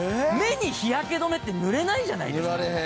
目に日焼け止めって塗れないじゃないですか。